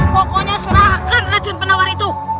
pokoknya serahkan racun penawar itu